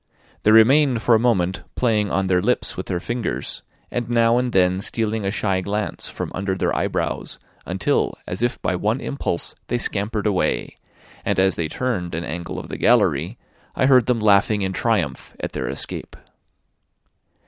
They remained for a moment playing on their lips with their fingers, and now and then stealing a shy glance, from under their eyebrows, until, as if by one impulse, they scampered away, and as they turned an angle of the gallery, I heard them laughing in triumph at their escape.